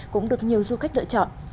cũng được nhiều du khách lựa chọn